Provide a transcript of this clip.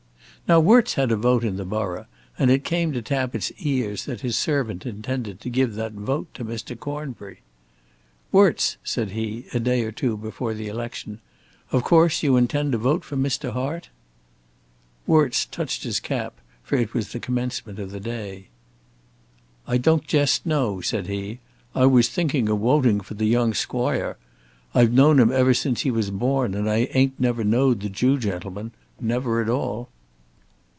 Now Worts had a vote in the borough, and it came to Tappitt's ears that his servant intended to give that vote to Mr. Cornbury. "Worts," said he, a day or two before the election, "of course you intend to vote for Mr. Hart?" Worts touched his cap, for it was the commencement of the day. "I don't jest know," said he. "I was thinking of woting for the young squoire. I've know'd him ever since he was born, and I ain't never know'd the Jew gentleman; never at all."